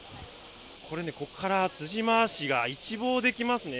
これね、ここから辻回しが一望できますね。